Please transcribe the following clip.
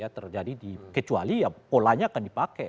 ya terjadi di kecuali ya polanya akan dipakai